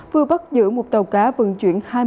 vừa bắt giữ một tàu cá vận chuyển